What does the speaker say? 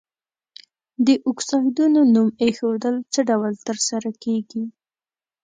د اکسایدونو نوم ایښودل څه ډول تر سره کیږي؟